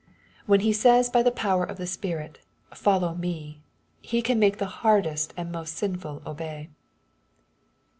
4.) When He says by the power of the Spirit, ^^ follow me/' He can make the hardest and most sinful obey.